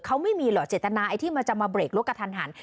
เขาไม่มีหรอกเจตนาไอ้ที่มันจะมาเบรกรถกระทันหัน